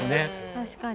確かに。